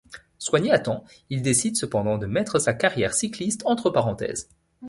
Soigné à temps, il décide cependant de mettre sa carrière cycliste entre parenthèses.